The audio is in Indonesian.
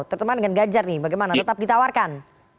tertemankan ganjar nih bagaimana tetap ditawarkan